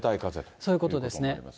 そういうことですね。